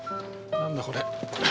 何だこれ。